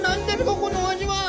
このお味は！